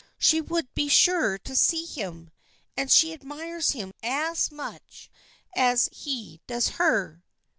She would be sure to see him, and she admires him as much as he does her."